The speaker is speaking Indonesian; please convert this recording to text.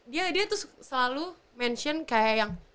dia dia tuh selalu mention kayak yang